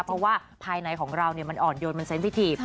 เพราะว่าภายในของเรามันอ่อนโยนมันเซ็นพิธี